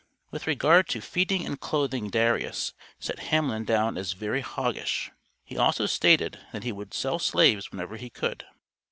With regard to "feeding and clothing" Darius set Hamlin down as "very hoggish;" he also stated that he would sell slaves whenever he could.